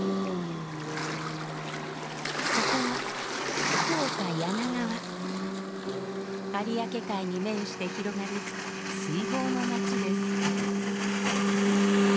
ここは有明海に面して広がる水郷の街です。